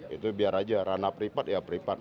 itu biar aja ranah pribadi ya pribadi